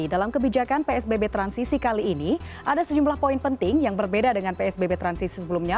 dalam kebijakan psbb transisi kali ini ada sejumlah poin penting yang berbeda dengan psbb transisi sebelumnya